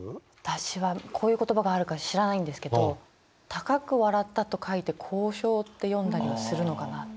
私はこういう言葉があるか知らないんですけど「高く笑った」と書いて「こうしょう」って読んだりはするのかなって。